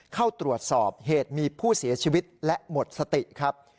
เข้าตรวจสอบเหตุมีผู้เสียชีวิตและหมดสติครับ